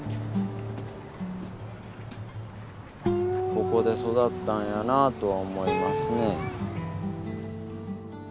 ここで育ったんやなとは思いますね。